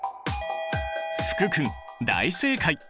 福君大正解！